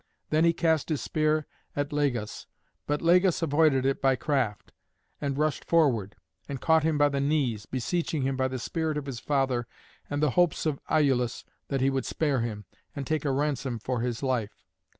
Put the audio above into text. Then he cast his spear at Lagus; but Lagus avoided it by craft, and rushed forward, and caught him by the knees, beseeching him by the spirit of his father and the hopes of Iülus that he would spare him, and take a ransom for his life.